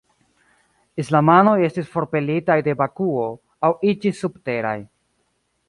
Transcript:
Islamanoj estis forpelitaj de Bakuo, aŭ iĝis subteraj.